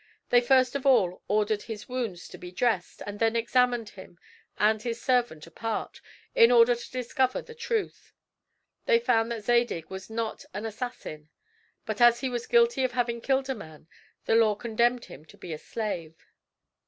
They first of all ordered his wounds to be dressed and then examined him and his servant apart, in order to discover the truth. They found that Zadig was not an assassin; but as he was guilty of having killed a man, the law condemned him to be a slave.